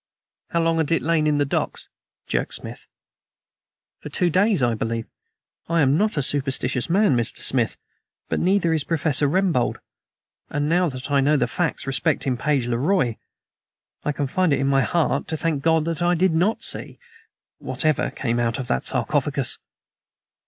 "How long had it lain in the docks?" jerked Smith. "For two days, I believe. I am not a superstitious man, Mr. Smith, but neither is Professor Rembold, and now that I know the facts respecting Page le Roi, I can find it in my heart to thank God that I did not see ... whatever came out of that sarcophagus."